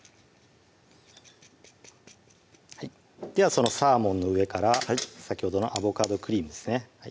そのサーモンの上から先ほどのアボカドクリームですね